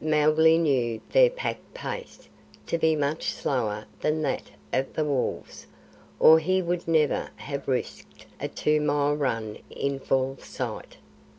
Mowgli knew their pack pace to be much slower than that of the wolves, or he would never have risked a two mile run in full sight.